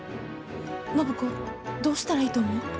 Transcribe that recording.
暢子、どうしたらいいと思う？